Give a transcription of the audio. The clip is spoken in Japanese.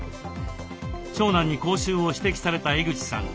長男に口臭を指摘された江口さん。